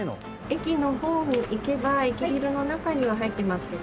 駅の方に行けば駅ビルの中には入ってますけど。